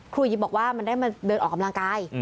ยิบบอกว่ามันได้มาเดินออกกำลังกาย